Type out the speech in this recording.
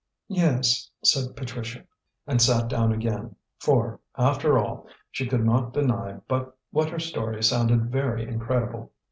"Yes," said Patricia, and sat down again, for, after all, she could not deny but what her story sounded very incredible.